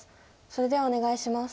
それではお願いします。